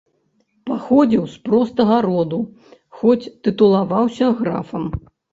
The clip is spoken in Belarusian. Паходзіў з простага роду, хоць тытулаваўся графам.